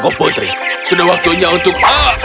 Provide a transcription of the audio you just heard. ke putri sudah waktunya untuk